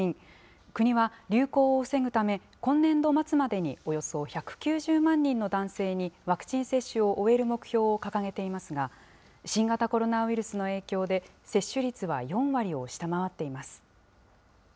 国は流行を防ぐため、今年度末までにおよそ１９０万人の男性にワクチン接種を終える目標を掲げていますが、新型コロナウイルスの影響で、接種率は４割を下回っています。